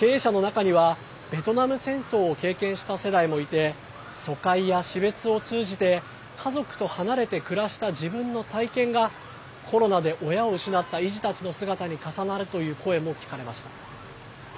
経営者の中には、ベトナム戦争を経験した世代もいて疎開や死別を通じて家族と離れて暮らした自分の体験がコロナで親を失った遺児たちの姿に重なるという声も聞かれました。